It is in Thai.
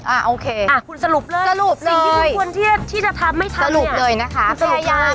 โอเคอ่ะคุณสรุปเลยสรุปสิ่งที่คุณควรที่จะทำไม่ทันสรุปเลยนะคะ